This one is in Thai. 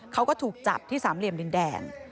เขาก็ถูกจับที่สามเหลี่ยมดินแดน